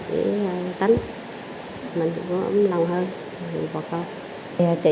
để tính mình có ấm lòng hơn với bà con